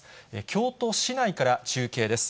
京都市内から中継です。